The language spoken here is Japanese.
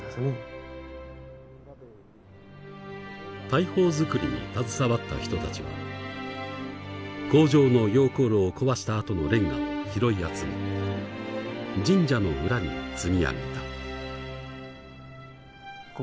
大砲作りに携わった人たちは工場の溶鉱炉を壊したあとのれんがを拾い集め神社の裏に積み上げた。